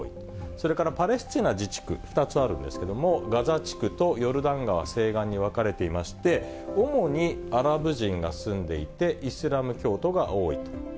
それからパレスチナ自治区、２つあるんですけども、ガザ地区とヨルダン川西岸に分かれていまして、主にアラブ人が住んでいて、イスラム教徒が多いと。